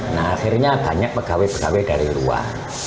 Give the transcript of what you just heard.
nah akhirnya banyak pegawai pegawai dari luar